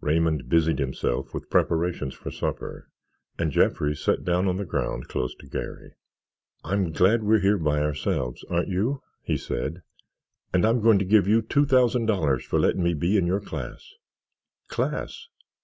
Raymond busied himself with preparations for supper and Jeffrey sat down on the ground close to Garry. "I'm glad we're here by ourselves, aren't you?" he said, "and I'm going to give you two thousand dollars for letting me be in your class." "Class?"